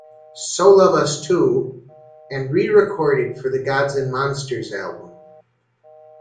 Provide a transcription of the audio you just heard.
So Love Us Too" and re-recorded for the "Gods and Monsters" album.